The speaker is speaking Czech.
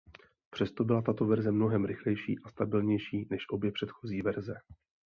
Přesto byla tato verze mnohem rychlejší a stabilnější než obě předchozí verze.